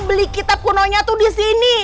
beli kitab kunonya tuh disini